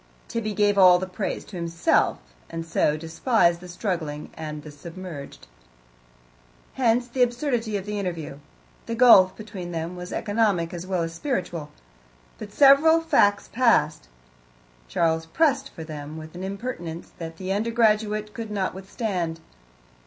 Tibby gave all the praise to himself, and so despised the struggling and the submerged. Hence the absurdity of the interview; the gulf between them was economic as well as spiritual. But several facts passed: Charles pressed for them with an impertinence that the undergraduate could not withstand.